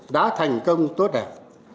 đã thành công tốt đẹp